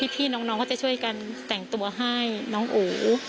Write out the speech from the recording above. พี่น้องก็จะช่วยกันแต่งตัวให้น้องอู